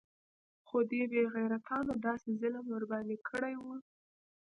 خو دې بې غيرتانو داسې ظلم ورباندې کړى و.